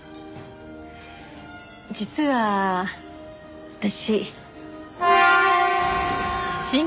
実は私。